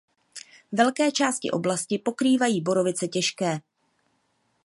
Velké části oblasti pokrývají borovice těžké.